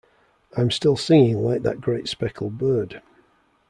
I'm still singing like that great speckled bird.